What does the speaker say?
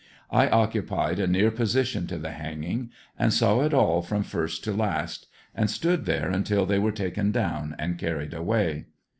I occupied a near position to the hanging; and saw it all from first to last, and stood there until they were taken down and carried away.